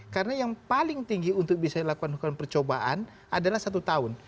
karena yang paling tinggi untuk bisa dilakukan percobaan adalah satu tahun